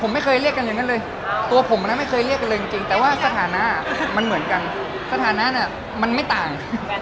ผมไม่เคยเรียกกันอย่างนั้นเลยตัวผมไม่เคยเรียกกันเลยจริงแต่ว่าสถานะมันเหมือนกันสถานะมันไม่ต่าง